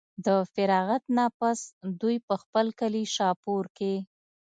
د فراغت نه پس دوي پۀ خپل کلي شاهپور کښې